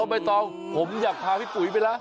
ผมอยากพาพี่ปุ๋ยไปละ